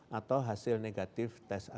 dan bukti vaksin minimal dosis pertama